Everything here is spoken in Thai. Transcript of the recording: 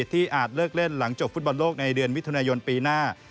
อาจเลิกเล่นหลังจบฟุตบอลโลกในเดือนมิถุนายนปีหน้า